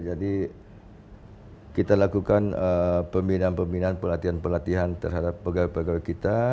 jadi kita lakukan pembinaan pembinaan pelatihan pelatihan terhadap pegawai pegawai kita